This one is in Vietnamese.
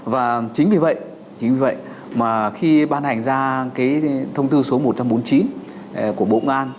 và chính vì vậy khi ban hành ra thông tư số một trăm bốn mươi chín của bộ ngoan